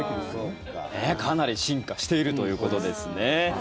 かなり進化しているということですね。